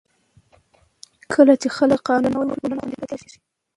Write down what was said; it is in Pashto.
کله چې خلک د قانون درناوی وکړي، ټولنه خوندي پاتې کېږي.